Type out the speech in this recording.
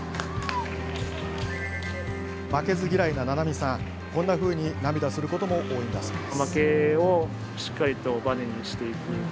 負けず嫌いな菜々美さんこんなふうに涙することも多いんです。